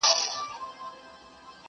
شمع هر څه ویني راز په زړه لري،